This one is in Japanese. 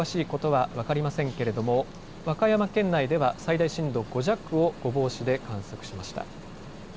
今この場所がどこかは詳しいことは分かりませんけれども和歌山県内では最大震度５弱を御坊市で観測しました。